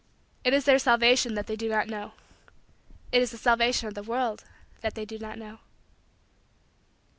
It is their salvation that they do not know. It is the salvation of the world that they do not know.